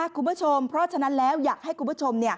คุณผู้ชมเพราะฉะนั้นแล้วอยากให้คุณผู้ชม